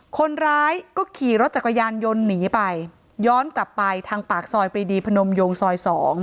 คนร้ายก็ขี่รถจักรยานยนต์หนีไปย้อนกลับไปทางปากซอยปรีดีพนมโยงซอย๒